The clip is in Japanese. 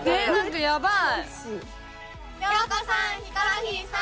やばい！